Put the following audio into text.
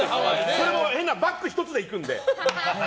それも変なバッグ１つで行くので。